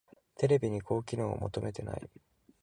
テレビに高機能は求めてない